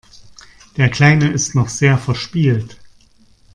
Der Kleine ist noch sehr verspielt.